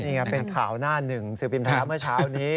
นี่ไงเป็นข่าวหน้าหนึ่งสือพิมพ์ท้าเมื่อเช้านี้